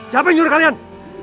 siapa yang nyuruh kalian